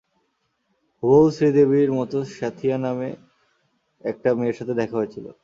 হুবহু শ্রী দেবীর মতো সাথ্যীয়া নামে একটা মেয়ের সাথে দেখা হয়েছিল।